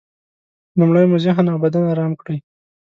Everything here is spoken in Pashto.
لومړی مو ذهن او بدن ارام کړئ.